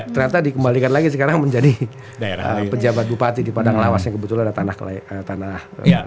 ternyata dikembalikan lagi sekarang menjadi pejabat bupati di padang lawas yang kebetulan ada tanah